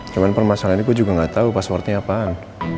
cuman permasalahan ini gue juga gak tau passwordnya apaan